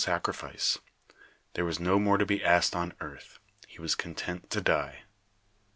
i||j ' sacrifice ; tbere was no more to be asked on earth ; he was content to die.